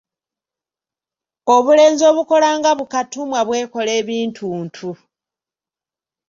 Obulenzi obukola nga bu katumwa bwekola ebintuntu.